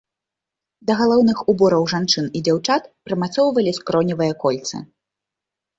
Да галаўных убораў жанчын і дзяўчат прымацоўвалі скроневыя кольцы.